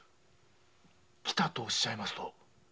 「きた」とおっしゃいますと？